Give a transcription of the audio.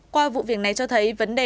qua vụ việc này cho thấy vấn đề đảm bảo